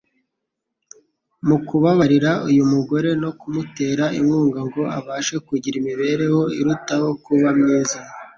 Mu kubabarira uyu mugore no kumutera inkunga ngo abashe kugira imibereho irutaho kuba myiza,